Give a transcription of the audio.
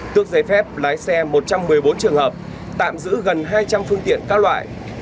tước giấy phép lái xe một trăm một mươi bốn trường hợp tạm giữ gần hai trăm linh phương tiện các loại